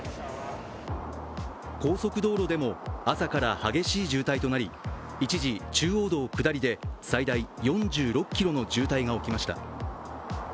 高速道路でも朝から激しい渋滞となり一時、中央道下りで最大４６ｋｍの渋滞が起きました。